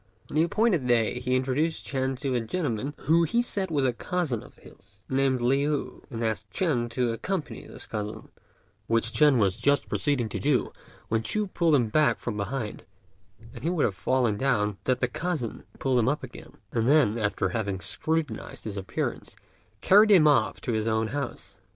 On the appointed day he introduced Ch'ên to a gentleman who he said was a cousin of his, named Liu, and asked Ch'ên to accompany this cousin, which Ch'ên was just proceeding to do when Ch'u pulled him back from behind, and he would have fallen down but that the cousin pulled him up again, and then, after having scrutinized his appearance, carried him off to his own house.